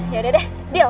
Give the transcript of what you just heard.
yaudah deh deal